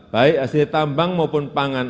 baik hasil tambang maupun pangan